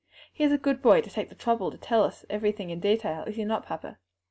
"He is a good boy to take the trouble to tell us everything in detail; is he not, papa?"